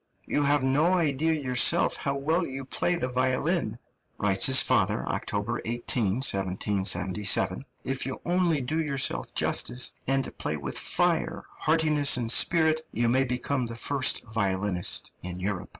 "You have no idea yourself how well you play the violin," writes his father (October 18, 1777); "if you only do yourself justice, and play with fire, heartiness, and spirit, you may become the first violinist in Europe."